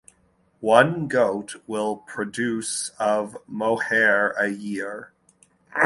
One goat will produce of mohair a year.